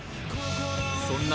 そんな